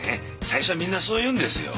最初はみんなそう言うんですよ。